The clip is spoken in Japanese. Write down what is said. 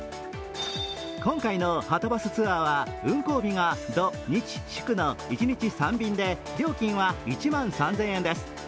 今回のはとバスツアーは運行日が土日祝の一日３便で、料金は１万３０００円です。